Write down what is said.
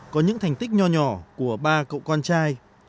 có những thành tích nhỏ nhỏ của anh nhẫn